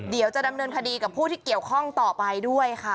เดี๋ยวจะดำเนินคดีกับผู้ที่เกี่ยวข้องต่อไปด้วยค่ะ